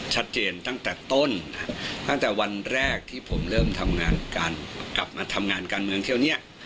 ชัดเจนตั้งแต่ต้นตั้งแต่วันแรกที่ผมเริ่มทำงานการกลับมาทำงานการเมืองเที่ยวนี้